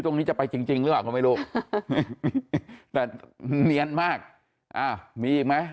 ตรงนี้จะไปจริงจริงหรือเปล่าก็ไม่รู้แต่เนียนมากอ้าวมีอีกไหม